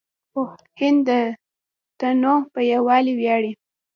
هند د تنوع په یووالي ویاړي.